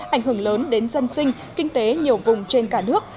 ảnh hưởng lớn đến dân sinh kinh tế nhiều vùng trên cả nước